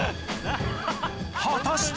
果たして？